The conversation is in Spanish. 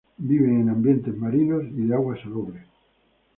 Viven en ambientes marinos y de agua salobre.